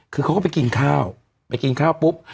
คือเขาก็ไปกินข้าวไปกินข้าวปุ๊บ